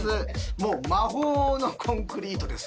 もう魔法のコンクリートです